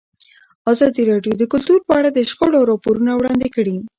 ازادي راډیو د کلتور په اړه د شخړو راپورونه وړاندې کړي.